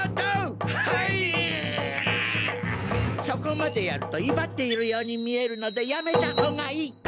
そこまでやるといばっているように見えるのでやめたほうがいい。